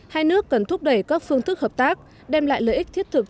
hai nước cần thúc đẩy các phương thức hợp tác đem lại lợi ích thiết thực